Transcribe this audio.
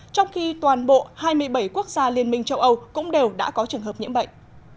trong khi toàn bộ hai mươi bảy quốc gia liên minh châu âu cũng đều đã có trường hợp nhiễm bệnh